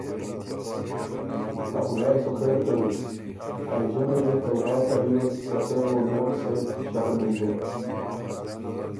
ا خدای سُو خېر کوی۔ ا ݫِنړئ بُو ته ورا په ریوز سخې غونوَک سېن ݭرمېن بُو